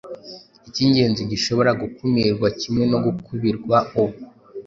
icy'ingenzi gishobora gukumirwa kimwe no kubwirwa ubu.